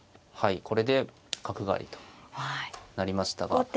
はいこれで角換わりとなりましたが。